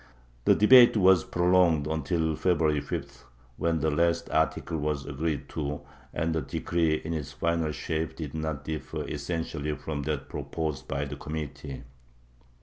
The debate was prolonged until February 5th, when the last article was agreed to, and the decree in its final shape did not differ essentially from that proposed by the Committee.